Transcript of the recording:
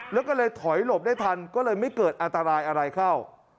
แล้วก็เลยถอยหลบได้ทันก็เลยไม่เกิดอันตรายอะไรเข้า